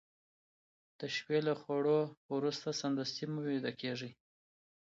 د شپې له خوړو وروسته سمدستي مه ويده کېږه